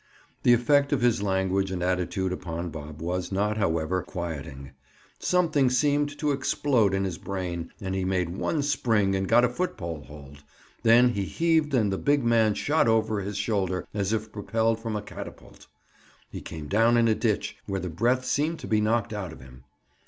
The effect of his language and attitude upon Bob was not, however, quieting; something seemed to explode in his brain and he made one spring and got a football hold; then he heaved and the big man shot over his shoulder as if propelled from a catapult. He came down in a ditch, where the breath seemed to be knocked out of him.